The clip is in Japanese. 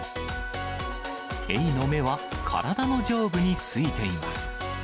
エイの目は体の上部についています。